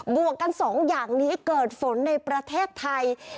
วกกันสองอย่างนี้เกิดฝนในประเทศไทย